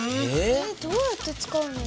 どうやって使うの？